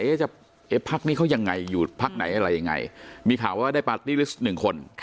พักนี้เขายังไงอยู่พักไหนอะไรยังไงมีข่าวว่าได้ปาร์ตี้ลิสต์หนึ่งคน